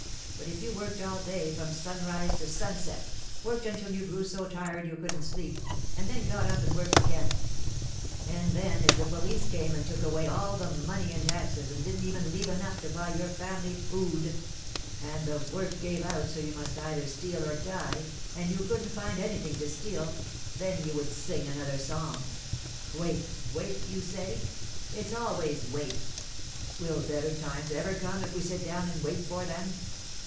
But if you worked all day from sunrise to sunset—worked until you grew so tired you couldn't sleep, and then got up and worked again—and then if the police came and took away all the money in taxes and didn't even leave enough to buy your family food, and the work gave out so you must either steal or die, and you couldn't find anything to steal—then you would sing another song. Wait, wait, you say. It's always wait. Will better times ever come if we sit down and wait for them?